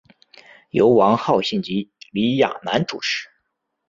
由王浩信及李亚男主持。